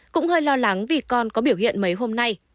cũng hơi lo lắng vì con có biểu hiện mấy hôm nay